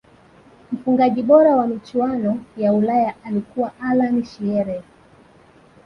mfungaji bora wa michuano ya Ulaya alikuwa allan shearer